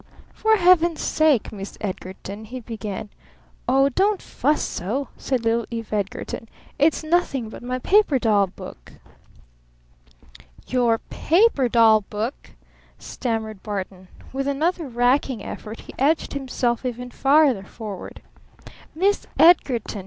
"For Heaven's sake Miss Edgarton " he began. "Oh, don't fuss so," said little Eve Edgarton. "It's nothing but my paper doll book." "Your PAPER DOLL BOOK?" stammered Barton. With another racking effort he edged himself even farther forward. "Miss Edgarton!"